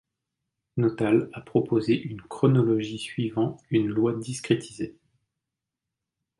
Nottale a proposé une chronologie suivant une loi discrétisée.